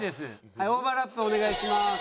はいオーバーラップお願いします。